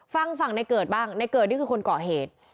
ฟังฝั่งในเกิดบ้างในเกิดนี่คือคนก่อเหตุ